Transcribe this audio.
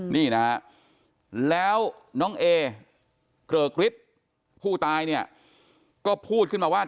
นี่นะครับแล้วน้องเอเกลอกริ๊บผู้ตายเนี่ยก็พูดขึ้นมาว่า